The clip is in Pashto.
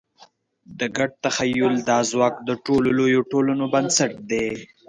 د ګډ تخیل دا ځواک د ټولو لویو ټولنو بنسټ دی.